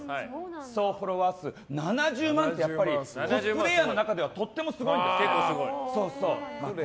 総フォロワー数７０万ってコスプレイヤーの中ではとてもすごいです。